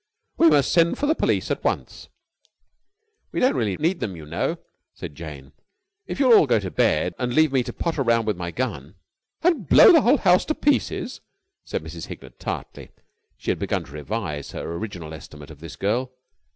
"We must send for the police at once." "We don't really need them, you know," said Jane. "If you'll all go to bed and just leave me to potter round with my gun...." "And blow the whole house to pieces!" said Mrs. Hignett tartly. She had begun to revise her original estimate of this girl.